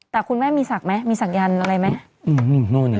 แต่คุณแม่มีศักดิ์ไหมมีศักยันต์อะไรไหม